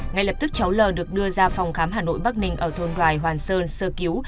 ngay lập tức cháu l được đưa ra phòng khám hà nội bắc ninh ở thôn đoài hoàn sơn sơ cứu